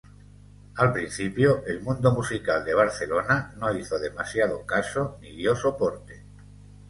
Al principio, el mundo musical de Barcelona no hizo demasiado caso ni dio soporte.